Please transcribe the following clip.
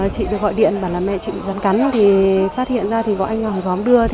chị được gọi điện bảo là mẹ chị bị rắn cắn phát hiện ra thì gọi anh hàng xóm đưa